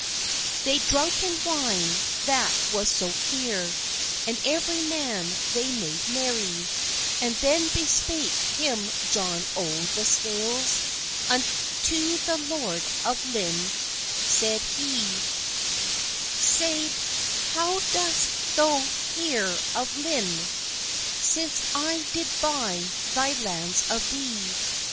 They drunken wine that was so cleere, And every man they made merry, And then bespake him John o' the Scales Unto the Lord of Lynne said hee; Said "how doest thou heire of Lynne, Since I did buy thy lands of thee?